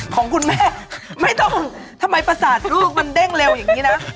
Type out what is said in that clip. ของคุณแม่ไม่ต้องทำไมประสาทลูกมันเด้งเร็วอย่างนี้นะ